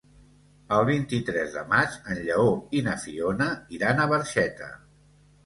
El vint-i-tres de maig en Lleó i na Fiona iran a Barxeta.